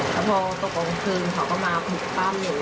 แล้วพอตกกลงคืนเขาก็มาถูกป้ามหนู